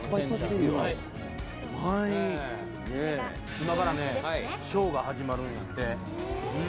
今からねショーが始まるんやって。